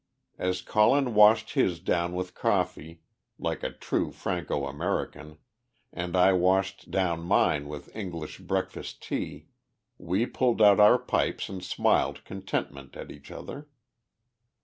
As Colin washed his down with coffee, like a true Franco American, and I washed down mine with English breakfast tea, we pulled out our pipes and smiled contentment at each other.